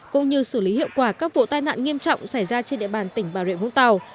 cũng như xử lý hiệu quả các vụ tai nạn nghiêm trọng xảy ra trên địa bàn tỉnh bà rịa vũng tàu